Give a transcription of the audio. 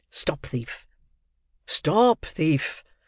Stop thief!" "Stop thief!